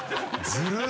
ずるい。